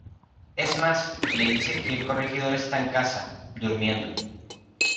Es más, les dice que el corregidor está en casa, durmiendo.